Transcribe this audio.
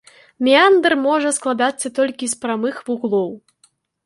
Меандр можа складацца толькі з прамых вуглоў.